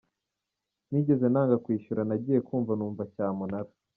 Sinigeze nanga kwishyura nagiye kumva numva cyamunara.